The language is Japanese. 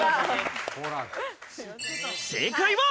正解は。